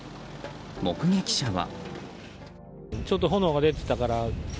目撃者は。